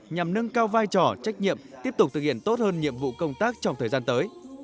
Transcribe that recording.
nhằm nâng cao vai trò trách nhiệm tiếp tục thực hiện tốt hơn nhiệm vụ công tác trong thời gian tới